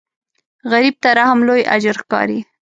غریب ته رحم لوی اجر ښکاري